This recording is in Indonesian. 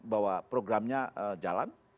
bahwa programnya jalan